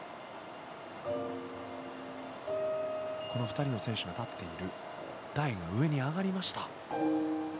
この２人の選手が立っている台が上に上がりました。